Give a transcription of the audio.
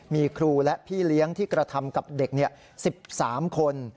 มีครูและพี่เลี้ยงที่กระทำกับเด็ก๑๓คน